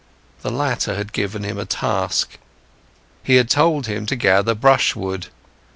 The latter had given him a task, he had told him to gather brushwood.